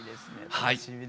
楽しみです。